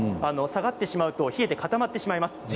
下がってしまうと冷えて固まります。